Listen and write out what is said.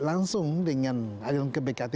langsung dengan aliran ke bkt